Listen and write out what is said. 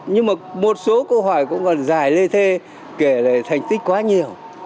nhưng mà một số câu hỏi cũng còn dài lê thê kể lại thành tích quá nhiều